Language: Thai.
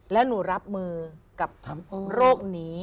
แล้วหนูรับมือกับโรคนี้